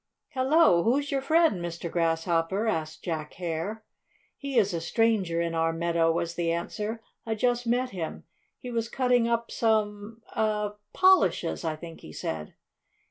"Hello, who's your friend, Mr. Grasshopper?" asked Jack Hare. "He is a stranger in our meadow," was the answer. "I just met him. He was cutting up some er polishes, I think he said."